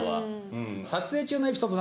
撮影中のエピソード